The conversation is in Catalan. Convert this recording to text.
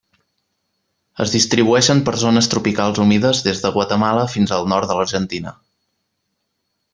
Es distribueixen per zones tropicals humides des de Guatemala fins al nord de l'Argentina.